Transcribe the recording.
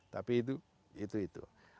tapi itu itu itu